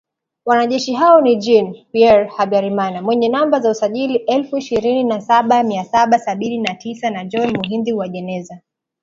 Wanajeshi hao ni Jean Pierre Habyarimana mwenye namba za usajili elfu ishirini na saba mia saba sabini na tisa na John Muhindi Uwajeneza.